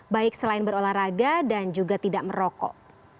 baik selain berolahraga dan juga tidak merokok